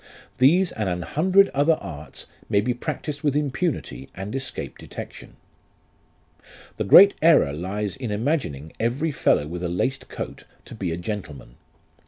These and an hundred other arts may be practised with impunity and escape detection. " The great error lies in imagining every fellow with a laced coat to be a gentleman.